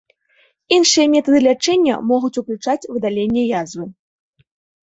Іншыя метады лячэння могуць уключаць выдаленне язвы.